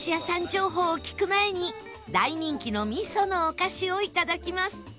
情報を聞く前に大人気の味噌のお菓子をいただきます